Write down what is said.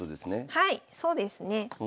はいそうですね。